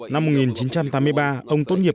năm một nghìn chín trăm tám mươi ba ông tốt nghiệp